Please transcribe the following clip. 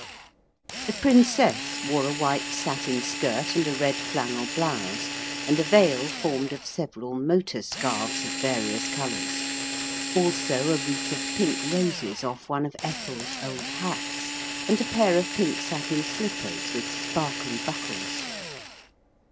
The Princess wore a white satin skirt and a red flannel blouse and a veil formed of several motor scarves of various colours. Also a wreath of pink roses off one of Ethel's old hats, and a pair of pink satin slippers with sparkly buckles.